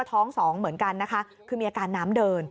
ท้องสองเหมือนกันนะคะคือมีอาการน้ำเดิน